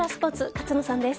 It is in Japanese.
勝野さんです。